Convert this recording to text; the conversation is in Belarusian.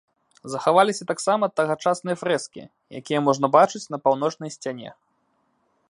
Захаваліся таксама тагачасныя фрэскі, якія можна бачыць на паўночнай сцяне.